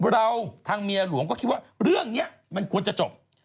เราทางเมียหลวงก็คิดว่าเรื่องนี้มันควรจะจบ